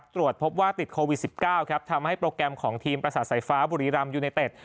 ตรวจพบว่าติดโควิด๑๙ครับทำให้โปรแกรมของทีมประสาทสายฟ้าบุรีรำยูไนเต็ด